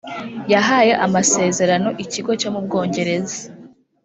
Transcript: yahaye amasezerano ikigo cyo mu Bwongereza